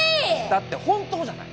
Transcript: だって本当じゃない。